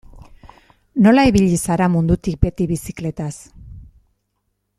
Nola ibili zara mundutik beti bizikletaz?